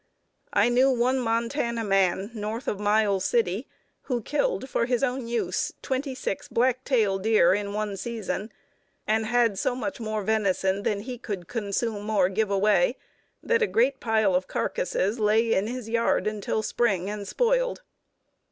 I knew one Montana man north of Miles City who killed for his own use twenty six black tail deer in one season, and had so much more venison than he could consume or give away that a great pile of carcasses lay in his yard until spring and spoiled.